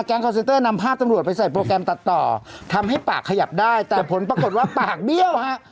คอนเซนเตอร์นำภาพตำรวจไปใส่โปรแกรมตัดต่อทำให้ปากขยับได้แต่ผลปรากฏว่าปากเบี้ยวฮะ